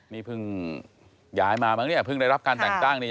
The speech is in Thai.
นี่พึ่งย้ายมาบ้างเนี่ยพึ่งได้รับการแต่งกล้างเนี่ย